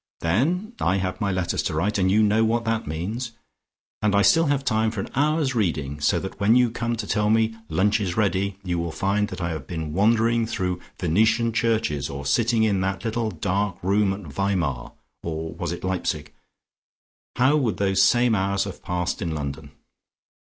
Then I have my letters to write, and you know what that means, and I still have time for an hour's reading so that when you come to tell me lunch is ready, you will find that I have been wandering through Venetian churches or sitting in that little dark room at Weimar, or was it Leipsic? How would those same hours have passed in London?